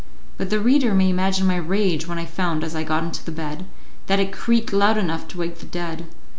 But the reader may imagine my rage when I found, as I got into the bed, that it creaked loud enough to wake the dead.